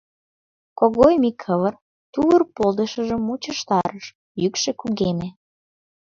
— Когой Микивыр тувыр полдышыжым мучыштарыш, йӱкшӧ кугеме.